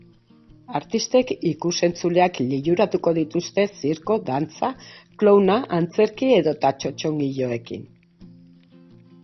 Artistek ikusentzuleak liluratuko dituzte zirko, dantza, clowna, antzerki edota txotxongiloekin.